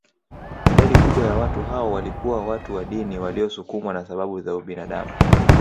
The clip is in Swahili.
Idadi kubwa ya watu hao walikuwa watu wa dini waliosukumwa na sababu za ubinadamu